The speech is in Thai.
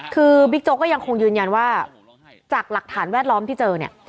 คือบิ๊กโจ๊กก็ยังคงยืนยันว่าจากหลักฐานแวดล้อมที่เจอเนี่ย